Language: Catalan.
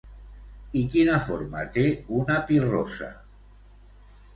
I quina forma té una pirrossa?